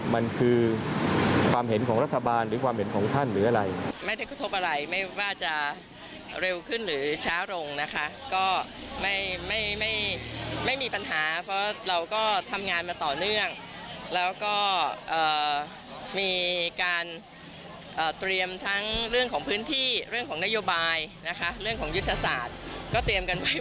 มันคือความเห็นของรัฐบาลหรือความเห็นของท่านหรืออะไร